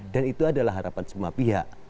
dan itu adalah harapan semua pihak